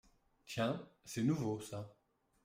Tiens, c’est nouveau, ça.